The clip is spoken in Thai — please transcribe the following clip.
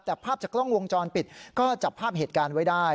แต่ภาพจากกล้องวงจรปิดก็จับภาพเหตุการณ์ไว้ได้